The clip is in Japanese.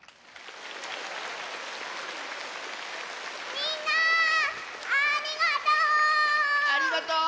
みんなありがとう！